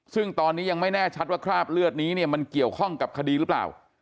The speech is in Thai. ซึ่งตอนนี้ยังไม่แน่ชัดว่าคราบเลือดนี้เนี่ยมันเกี่ยวข้องกับคดีหรือเปล่า